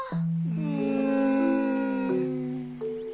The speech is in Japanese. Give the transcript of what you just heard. うん？